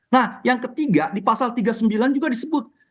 nah yang ketiga di pasal tiga puluh sembilan juga disebut